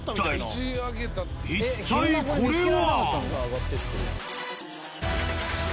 一体これは。